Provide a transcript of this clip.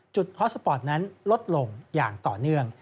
ฮอสสปอร์ตนั้นลดลงอย่างต่อเนื่อง